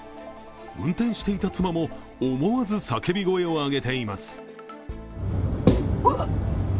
運転していた妻も思わず叫び声を上げています。